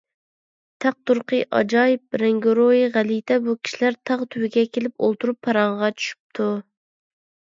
تەق - تۇرقى ئاجايىپ، رەڭگىرويى غەلىتە بۇ كىشىلەر تاغ تۈۋىگە كېلىپ ئولتۇرۇپ پاراڭغا چۈشۈپتۇ.